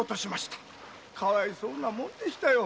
かわいそうなもんでしたよ。